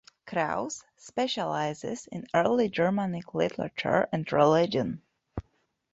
Krause specializes in early Germanic literature and religion.